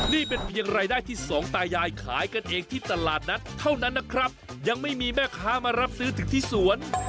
นี่เป็นเพียงรายได้ที่สองตายายขายกันเองที่ตลาดนัดเท่านั้นนะครับยังไม่มีแม่ค้ามารับซื้อถึงที่สวน